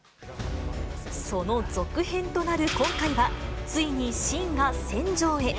その続編となる今回は、ついに信が戦場へ。